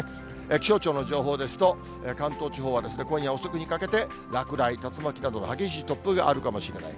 気象庁の情報ですと、関東地方は今夜遅くにかけて、落雷、竜巻などの激しい突風があるかもしれない。